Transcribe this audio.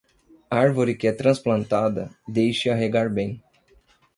Árvore que é transplantada, deixe-a regar bem.